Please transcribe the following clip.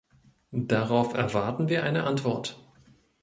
Darauf erwarten wir eine Antwort.